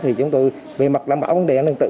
thì chúng tôi về mặt đảm bảo vấn đề nâng tự